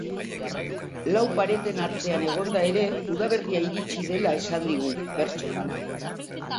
Lau pareten artean egonda ere, udaberria iritsi dela esan digu, bertsotan.